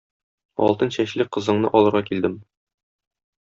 Алтын чәчле кызыңны алырга килдем.